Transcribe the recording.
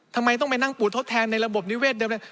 ทำไมต้องไปนั่งปวดทดแทนในระบบนิเวศเดิมเลย